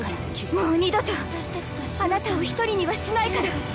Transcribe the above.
もう二度とあなたを一人にはしないから！